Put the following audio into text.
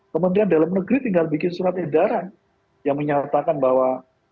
kementerian dalam negeri tinggal bikin surat edaran yang menyatakan bahwa